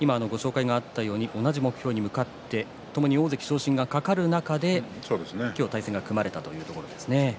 同じ目標に向かってともに大関昇進がかかる中で今日、対戦が組まれたというところですね。